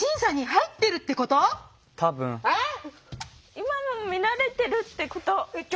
今の見られてるってこと？